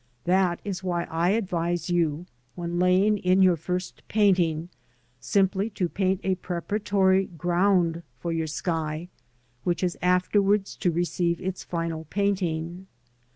That is why I advise you when laying in your first painting, simply to paint a preparatory ground for your sky, which is afterwards to receive its final painting.